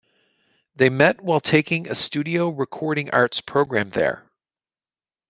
They met while taking a studio recording arts program there.